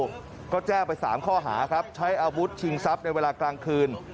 แล้วก็แจ้งไป๓ข้อหาครับใช้อาวุธชิงทรัพย์ในเวลากลางคืน